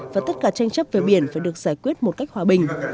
và tất cả tranh chấp về biển phải được giải quyết một cách hòa bình